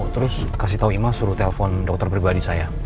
terus kasih tau ima suruh telfon dokter pribadi saya